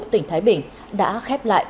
tỉnh thái bình đã khép lại